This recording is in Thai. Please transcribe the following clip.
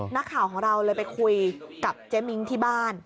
นักข่าวของเราเลยไปคุยกับเจ๊มิ้งที่บ้าน